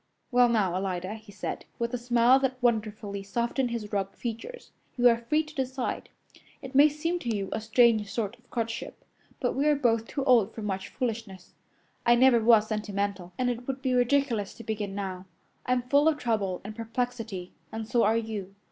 "Well, now, Alida," he said, with a smile that wonderfully softened his rugged features, "you are free to decide. It may seem to you a strange sort of courtship, but we are both too old for much foolishness. I never was sentimental, and it would be ridiculous to begin now. I'm full of trouble and perplexity, and so are you.